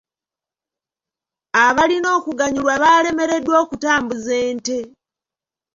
Abalina okuganyulwa baalemereddwa okutambuza ente.